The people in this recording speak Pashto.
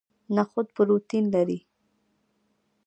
نخود پروتین لري